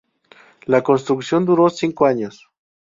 La construcción duró cinco años.